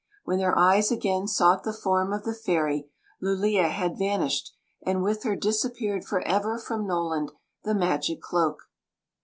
When their eyes again sought the form of the fairy, Lulea had vanished, and with her disappeared for ever from Noland the magic cloak.